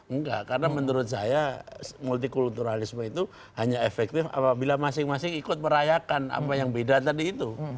enggak karena menurut saya multikulturalisme itu hanya efektif apabila masing masing ikut merayakan apa yang beda tadi itu